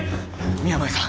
宮前さん